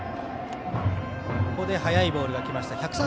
ここで速いボールがきました。